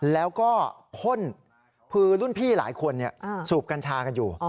แล้วก็พ่นคือรุ่นพี่หลายคนสูบกัญชากันอยู่